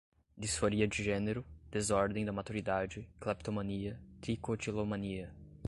disforia de gênero, desordem da maturidade, cleptomania, tricotilomania